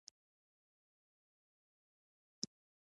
ګمارنه د لیاقت او شایستګۍ په اساس کیږي.